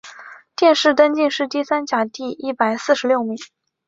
殿试登进士第三甲第一百四十六名。